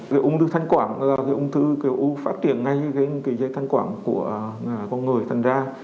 cái ung thư thanh quản là cái ung thư kiểu phát triển ngay cái dây thanh quản của con người thật ra